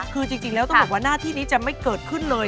คือจริงแล้วต้องบอกว่าหน้าที่นี้จะไม่เกิดขึ้นเลย